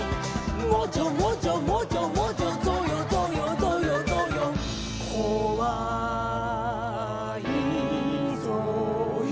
「もじょもじょもじょもじょぞよぞよぞよぞよ」「こわァーいぞよ」